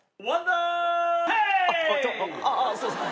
ああすいません。